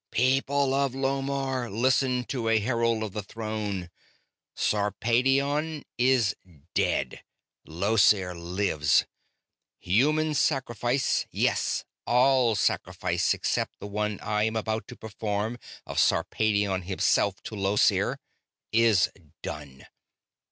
"People of Lomarr, listen to a herald of the Throne! Sarpedion is dead; Llosir lives. Human sacrifice yes, all sacrifice except the one I am about to perform, of Sarpedion himself to Llosir is done.